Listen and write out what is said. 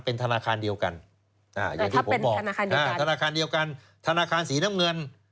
เป็นธนาคารเดียวกันอย่างที่ผมบอกธนาคารเดียวกันธนาคารสีน้ำเงิน